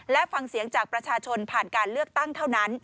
และฟังเสียงจากประชาชนผ่านการเลือกตั้งเท่านั้น